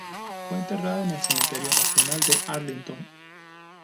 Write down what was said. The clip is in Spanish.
Fue enterrada en el Cementerio Nacional de Arlington.